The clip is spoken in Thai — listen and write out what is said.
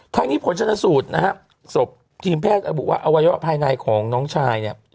ทั้งนี้ผลชนสูตรนะฮะศพทีมแพทย์ระบุว่าอวัยวะภายในของน้องชายเนี่ย